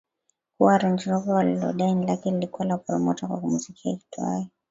kuwa Range Rover walilodai ni lake lilikuwa la promota wa muziki aitwaye